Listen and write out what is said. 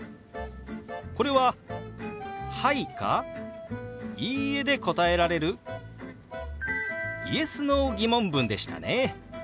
これは「はい」か「いいえ」で答えられるＹｅｓ／Ｎｏー疑問文でしたね。